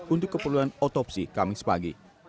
untuk keperluan otopsi kamis pagi